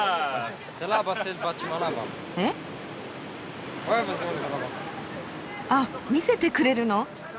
えっ？あっ見せてくれるの？